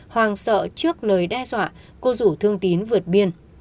hoàng sợ trước lời đe dọa cô rủ thương tín vượt biên